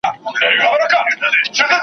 د غوايی سترګي که خلاصي وي نو څه دي .